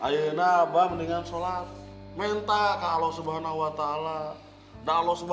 ayo enak abah mendingan sholat